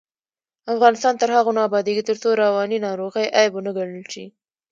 افغانستان تر هغو نه ابادیږي، ترڅو رواني ناروغۍ عیب ونه ګڼل شي.